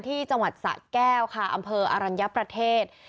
ที่จังหวัดสะแก้วค่ะอำเภออรัญญประเทศ